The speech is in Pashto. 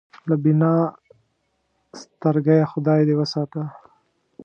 له بینا سترګېه خدای دې وساتي.